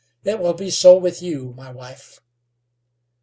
"It will be so with you, my wife."